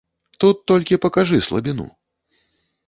Тут толькі пакажы слабіну.